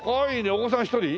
お子さん１人？